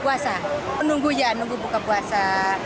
puasa menunggu ya nunggu buka puasa